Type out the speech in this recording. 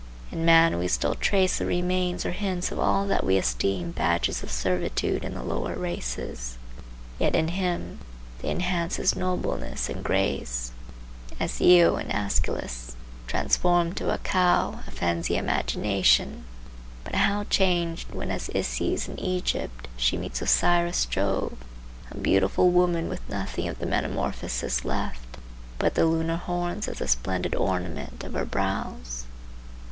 In man we still trace the remains or hints of all that we esteem badges of servitude in the lower races; yet in him they enhance his nobleness and grace; as Io, in Æschylus, transformed to a cow, offends the imagination; but how changed when as Isis in Egypt she meets Osiris Jove, a beautiful woman with nothing of the metamorphosis left but the lunar horns as the splendid ornament of her brows!